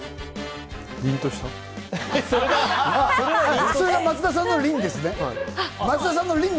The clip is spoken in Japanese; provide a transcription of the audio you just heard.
それは松田さんの凜ですね。